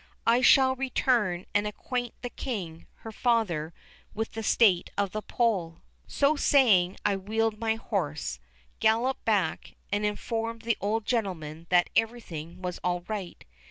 I shall return and acquaint the King, her father, with the state of the poll." So saying I wheeled my horse, galloped back, and informed the old gentleman that everything was all right.